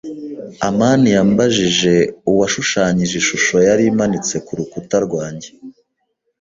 amani yambajije uwashushanyije ishusho yari imanitse ku rukuta rwanjye.